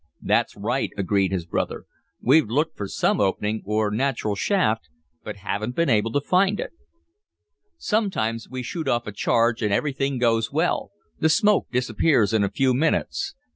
"That's right," agreed his brother. "We've looked for some opening, or natural shaft, but haven't been able to find it. Sometimes we shoot off a charge and everything goes well, the smoke disappears in a few minutes.